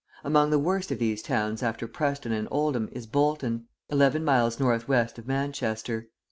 Among the worst of these towns after Preston and Oldham is Bolton, eleven miles north west of Manchester.